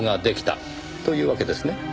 というわけですね？